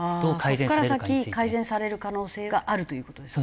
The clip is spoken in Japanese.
そこから先改善される可能性があるという事ですか。